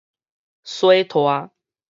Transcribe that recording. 洗汰